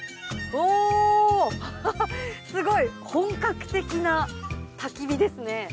すごい本格的なたき火ですね。